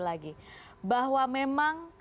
lagi bahwa memang